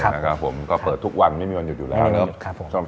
ครับตั้งแต่หลัง๑๑โมงมันต้นไปเริ่มบริการอาหารกลางวันจนถึงลึกเลย